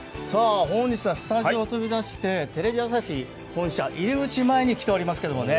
本日はスタジオを飛び出してテレビ朝日本社入り口前に来ておりますけれどもね。